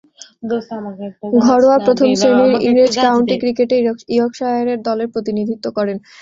ঘরোয়া প্রথম-শ্রেণীর ইংরেজ কাউন্টি ক্রিকেটে ইয়র্কশায়ার দলের প্রতিনিধিত্ব করেন।